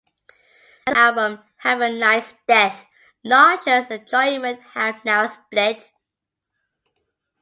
After last album "Have A Nice Death" Noxious Enjoyment have now split.